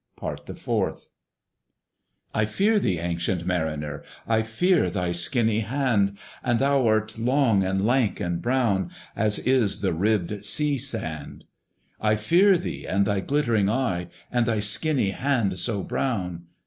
PART THE FOURTH. "I fear thee, ancient Mariner! I fear thy skinny hand! And thou art long, and lank, and brown, As is the ribbed sea sand. "I fear thee and thy glittering eye, And thy skinny hand, so brown."